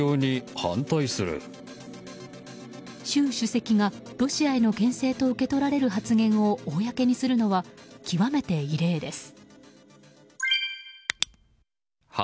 習主席がロシアへの牽制と受け取られる発言を公にするのは極めて異例です。